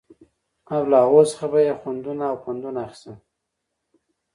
او له هغو څخه به يې خوندونه او پندونه اخيستل